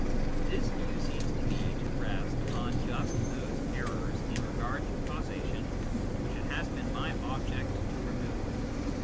This view seems to me to rest upon just those errors in regard to causation which it has been my object to remove.